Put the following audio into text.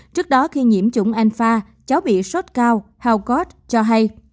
trước đó khi nhiễm chủng alpha cháu bị sốt cao helford cho hay